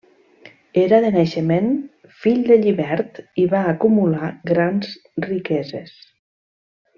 Era de naixement fill de llibert i va acumular grans riqueses.